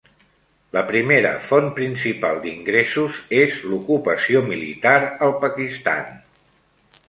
La primera font principal d'ingressos és l'ocupació militar al Pakistan.